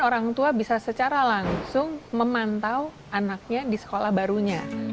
orang tua bisa secara langsung memantau anaknya di sekolah barunya